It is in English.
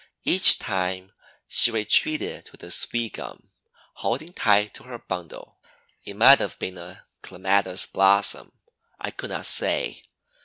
Each time she retreated to the sweetgum, holding tight to her bundle—it might have been a clematis blossom, I could not say.